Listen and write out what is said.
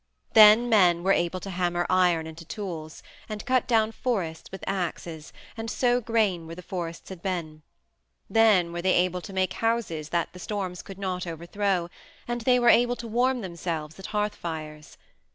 Then men were able to hammer iron into tools, and cut down forests with axes, and sow grain where the forests had been. Then were they able to make houses that the storms could not overthrow, and they were able to warm themselves at hearth fires.